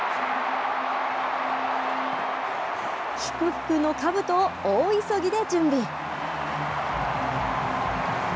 祝福のかぶとを大急ぎで準備。